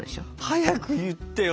早く言ってよ